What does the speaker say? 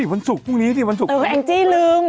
ที่วันศุกร์พรุ่งนี้ที่วันศุกร์เออแองจี้ลืม